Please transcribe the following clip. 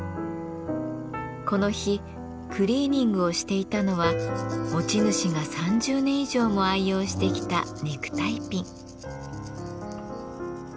この日クリーニングをしていたのは持ち主が３０年以上も愛用してきたネクタイピン。